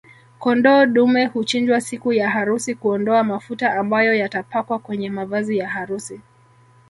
Kondoo dume huchinjwa siku ya harusi kuondoa mafuta ambayo yatapakwa kwenye mavazi ya harusi